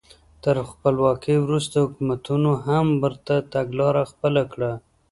تر خپلواکۍ وروسته حکومتونو هم ورته تګلاره خپله کړه.